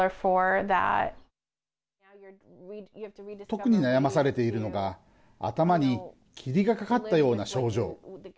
特に悩まされているのが頭に霧がかかったような症状。